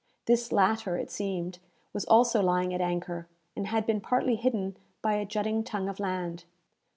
This latter, it seemed, was also lying at anchor, and had been partly hidden by a jutting tongue of land.